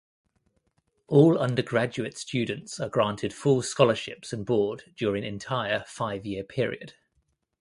All undergraduate students are granted full scholarships and board during entire five-year period.